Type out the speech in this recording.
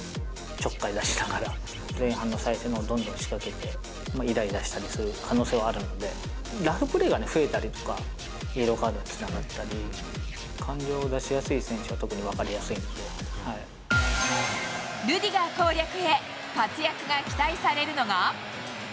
ちょっかい出しながら、前半の最初のほう、どんどん仕掛けて、いらいらしたりする可能性はあるんで、ラフプレーが増えたりとか、イエローカードにつながったり、感情を出しやすい選手は、特に分ルディガー攻略へ、活躍が期待されるのが。